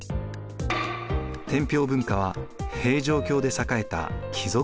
天平文化は平城京で栄えた貴族文化です。